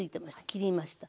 切りました。